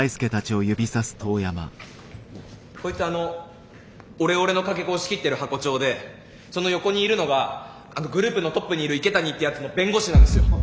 こいつあのオレオレのかけ子を仕切ってる箱長でその横にいるのがあのグループのトップにいる池谷ってやつの弁護士なんですよ。